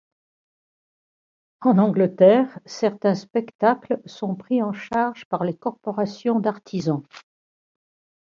En Angleterre, certains spectacles sont pris en charge par les corporations d'artisans.